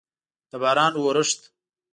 د باران اورښت